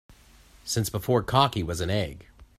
Since before cocky was an egg.